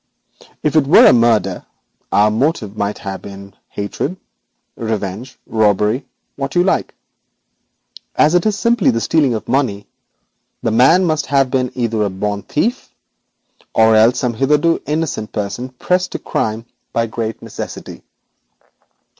If it were a murder, our motive might be hatred, revenge, robbery what you like. As it is simply the stealing of money, the man must have been either a born thief or else some hitherto innocent person pressed to the crime by great necessity.